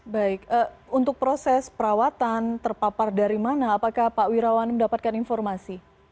baik untuk proses perawatan terpapar dari mana apakah pak wirawan mendapatkan informasi